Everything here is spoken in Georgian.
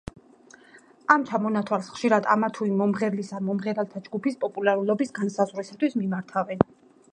ამ ჩამონათვალს ხშირად ამა თუ იმ მომღერლის ან მომღერალთა ჯგუფის პოპულარობის განსაზღვრისთვის მიმართავენ.